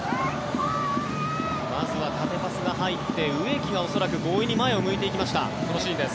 まずは縦パスが入って植木が恐らく強引に前を向いていきましたこのシーンです。